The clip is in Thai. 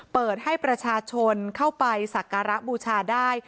เปิดให้ประชาชนเข้าไปสักการะบูชาได้